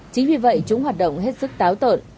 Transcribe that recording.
chính vì vậy chúng hoạt động hết sức táo tợn